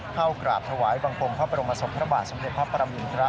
เข้ากราบถวายบังคมพระบรมศพพระบาทสมเด็จพระปรมินทร